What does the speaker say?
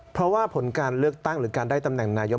เพราะว่าผลการเลือกตั้งหรือการได้ตำแหน่งนายก